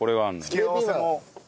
付け合わせも。